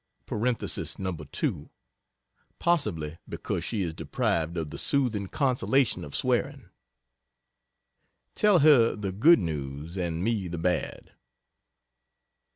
(Parenthesis No. 2 Possibly because she is deprived of the soothing consolation of swearing.) Tell her the good news and me the bad.